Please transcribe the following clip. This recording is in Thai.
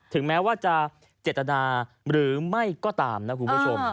แม้ว่าจะเจตนาหรือไม่ก็ตามนะคุณผู้ชม